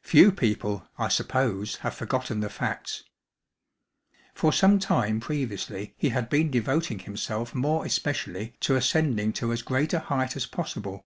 Few people, I suppose, have forgotten the facts. For some time previously he had been devoting himself more especially to ascending to as great a height as possible.